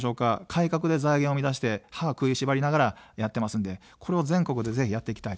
改革で財源を生み出して歯を食いしばりながらやっていますので、全国でぜひやっていきたい。